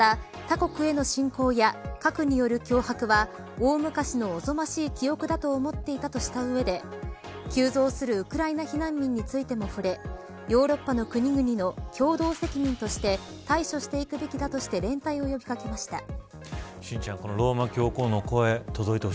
また他国への侵攻や核による脅迫は大昔のおぞましい記憶だと思っていたとしたうえで急増するウクライナ避難民についても触れヨーロッパの国々の共同責任として対処していくべきだとして連帯を呼び掛けました。